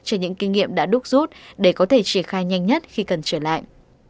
cho những kinh nghiệm đã đúc rút để có thể triển khai nhanh nhất khi cần trở lại